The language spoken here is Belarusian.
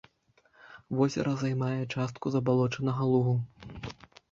Возера займае частку забалочанага лугу.